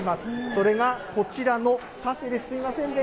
それがこちらのカフェです。